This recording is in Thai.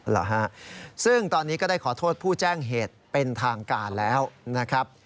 เหรอฮะซึ่งตอนนี้ก็ได้ขอโทษผู้แจ้งเหตุเป็นทางการแล้วนะครับ